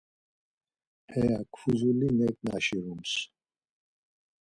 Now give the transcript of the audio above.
Hemuk fuzuli neǩna şiroms.